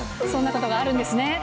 そんなことがあるんですね。